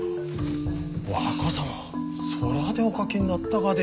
若様そらでお描きになったがで？